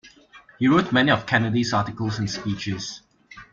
He wrote many of Kennedy's articles and speeches.